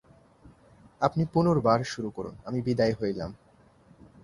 আপনি পুনর্বার শুরু করুন, আমি বিদায় হইলাম।